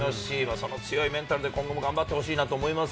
その強いメンタルで今後も頑張ってほしいと思います。